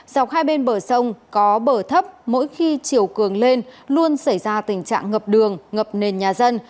dọc hai bên bờ sông có bờ thấp mỗi khi chiều cường lên luôn xảy ra tình trạng ngập đường ngập nền nhà dân